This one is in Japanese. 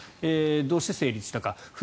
どうして成立したか。